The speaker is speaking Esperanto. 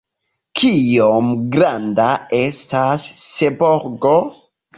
Kiom granda estas Seborgo?